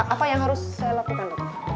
apa yang harus saya lakukan dok